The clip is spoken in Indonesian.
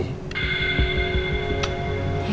mau ketemu adi